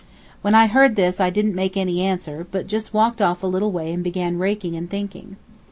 When I heard this I didn't make any answer, but just walked off a little way and began raking and thinking.